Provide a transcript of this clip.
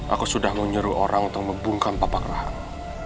aku sudah menyuruh orang untuk membungkam papa gerahang